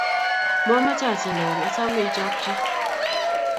Momoche achelewan asome ichokchi.